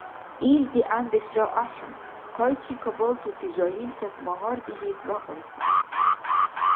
Ил дигӀяндешра ахӀен: хъайчикабалтути жагьилтас магьар дихьес вякьунсири